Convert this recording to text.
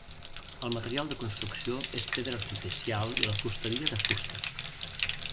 El material de construcció és pedra artificial i la fusteria de fusta.